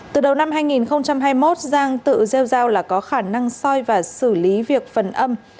từ đầu năm hai nghìn hai mươi một giang tự gieo giao là có khả năng soi và xử lý việc phần âm